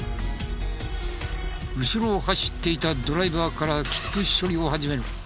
後ろを走っていたドライバーから切符処理を始める。